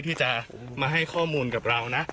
ที่จะมาให้ข้อมูลกับเรานะ